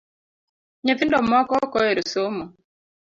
Nyithindo moko ok ohero somo